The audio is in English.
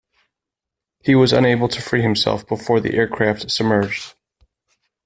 He was unable to free himself before the aircraft submerged.